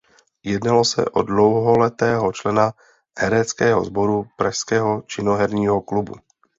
Jednalo se o dlouholetého člena hereckého souboru pražského Činoherního klubu.